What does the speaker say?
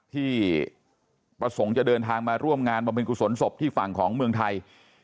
ที่ประสงค์จะเดินทางมาร่วมงานบำเพ็ญกุศลศพที่ฝั่งของเมืองไทย